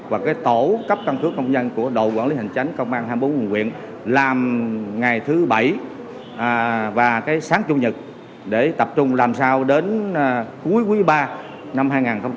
và cái tổ cấp căn cước công dân của đội quản lý hành tránh công an tp hcm làm ngày thứ bảy và cái sáng chung nhật để tập trung làm sao đến cuối quý ba năm hai nghìn hai mươi một